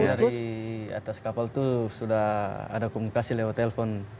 dari atas kapal itu sudah ada komunikasi lewat telepon